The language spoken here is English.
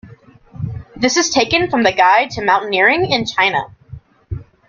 This is taken from the Guide to Mountaineering in China.